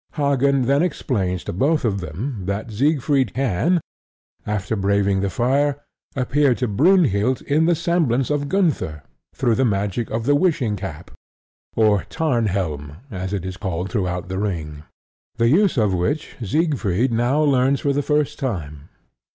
Hagen then explains to both of them that Siegfried can, after braving the fire, appear to Brynhild in the semblance of Gunther through the magic of the wishing cap (or Tarnhelm, as it is called throughout The Ring), the use of which Siegfried now learns for the first time.